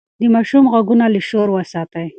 د ماشوم غوږونه له شور وساتئ.